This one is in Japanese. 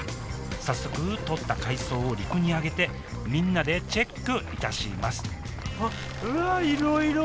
早速とった海藻を陸にあげてみんなでチェックいたします